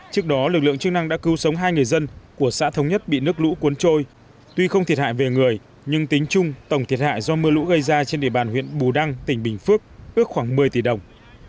trước đó lực lượng chức năng đã cứu sống hai người dân của xã thống nhất bị nước lũ cuốn trôi tuy không thiệt hại về người nhưng tính chung tổng thiệt hại do mưa lũ gây ra trên địa bàn huyện bù đăng tỉnh bình phước ước khoảng một mươi tỷ đồng